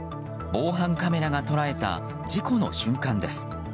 防犯カメラが捉えた事故の瞬間です。